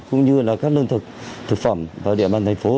cũng như là các lương thực thực phẩm vào địa bàn thành phố